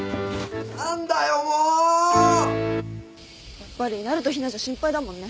やっぱりなると陽菜じゃ心配だもんね。